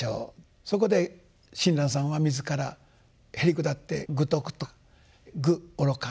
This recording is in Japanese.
そこで親鸞さんは自らへりくだって「愚禿」と。愚愚か。